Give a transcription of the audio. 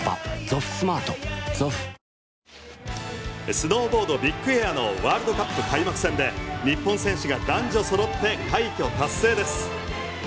スノーボード・ビッグエアのワールドカップ開幕戦で日本選手が男女揃って快挙達成です。